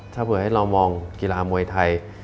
ถ้าเผื่อให้เรามองกีฬามวยไทย